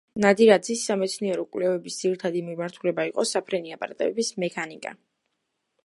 ნადირაძის სამეცნიერო კვლევების ძირითადი მიმართულება იყო საფრენი აპარატების მექანიკა.